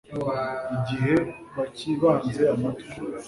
igihe bakibanze amatwi